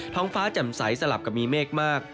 ท้องฟ้าแจ่มใสสลับกับมีเมฆมาก